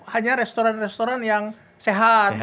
hanya restoran restoran yang sehat